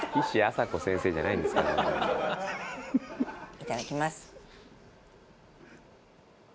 いただきます。